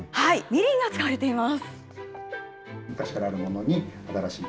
みりんが使われています。